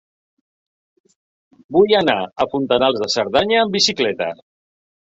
Vull anar a Fontanals de Cerdanya amb bicicleta.